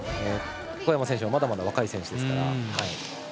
小山選手もまだまだ若い選手ですから。